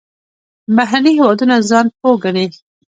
بهرني هېوادونه ځان پوه ګڼي.